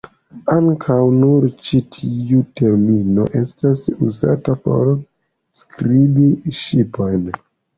Ankaŭ nur ĉi tiu termino estas uzata por priskribi ŝipojn.